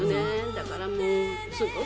だからもうすごく。